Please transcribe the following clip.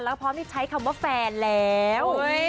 แล้วพร้อมที่ใช้คำว่าแฟนแล้ว